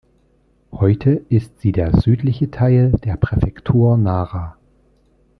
Heute ist sie der südliche Teil der Präfektur Nara.